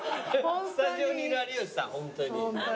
スタジオにいる有吉さんホントに。